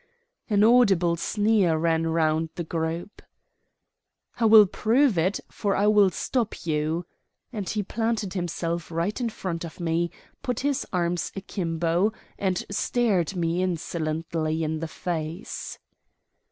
An audible sneer ran round the group. "I will prove it, for I will stop you," and he planted himself right in front of me, put his arms akimbo, and stared me insolently in the face.